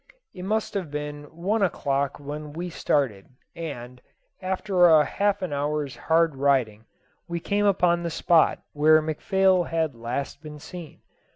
It must have been about one o'clock when we started, and, after half an hour's hard riding, we came upon the spot where McPhail had last been seen.